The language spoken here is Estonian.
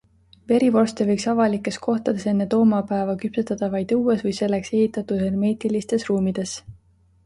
Verivorste võiks avalikes kohtades enne toomapäeva küpsetada vaid õues või selleks ehitatud hermeetilistes ruumides.